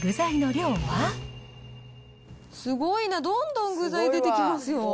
すごいな、どんどん具材出てきますよ。